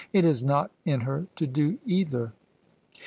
It is not in her to do either.